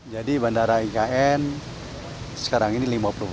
jadi bandara ikn sekarang ini lima puluh